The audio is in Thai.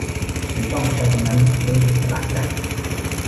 ฉันจ้องผู้ชายคนนั้น รู้สึกประหลาดใจ